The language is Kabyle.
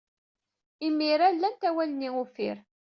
Imir-a, lant awal-nni uffir.